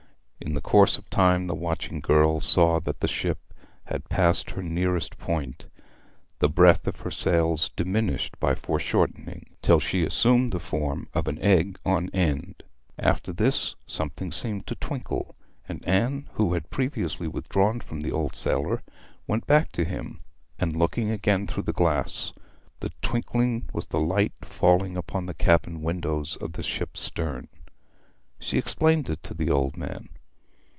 In the course of time the watching girl saw that the ship had passed her nearest point; the breadth of her sails diminished by foreshortening, till she assumed the form of an egg on end. After this something seemed to twinkle, and Anne, who had previously withdrawn from the old sailor, went back to him, and looked again through the glass. The twinkling was the light falling upon the cabin windows of the ship's stern. She explained it to the old man.